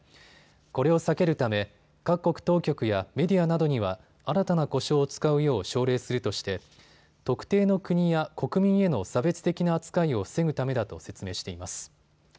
これを避けるため各国当局やメディアなどには新たな呼称を使うよう奨励するとして特定の国や国民への差別的な扱いを防ぐためだと説明しています。